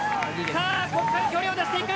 さあここから距離を出していく！